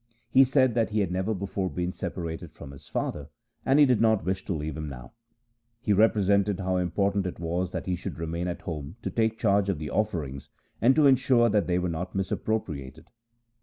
He said that he had never before been separated from his father, and he did not wish to leave him now. He represented how important it was that he should remain at home to take charge of the offerings, and to ensure that they were not misappropriated.